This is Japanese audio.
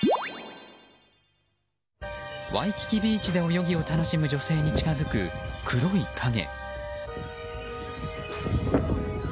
ワイキキビーチで泳ぎを楽しむ女性に近づく黒い影。